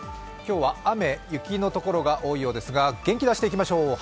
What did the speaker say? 今日は雨、雪の所が多いようですが、元気出していきましょう。